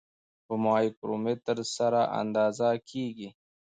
په مایکرومتر سره اندازه کیږي.